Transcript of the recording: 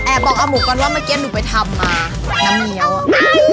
บอกเอาหมูก่อนว่าเมื่อกี้หนูไปทำมาน้ำเงี้ยวอ่ะ